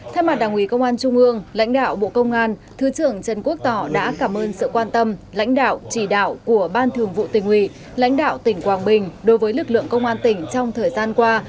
theo mặt đảng ủy công an trung ương lãnh đạo bộ công an thứ trưởng trần quốc tỏ đã cảm ơn sự quan tâm lãnh đạo chỉ đạo của ban thường vụ tỉnh ủy lãnh đạo tỉnh quảng bình đối với lực lượng công an tỉnh trong thời gian qua